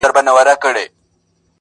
o چي لري دي لره ئې، چي لړي دي لړه ئې!